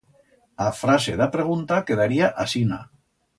A frase d'a pregunta quedaría asina.